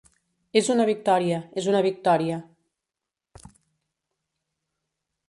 És una victòria, és una victòria.